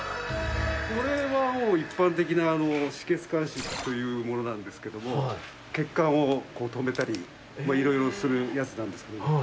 これは一般的な止血鉗子というものなんですが血管を止めたり色々するやつなんですけど。